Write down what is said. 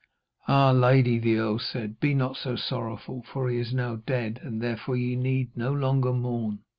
'Ah, lady,' the earl said, 'be not so sorrowful. For he is now dead, and therefore ye need no longer mourn.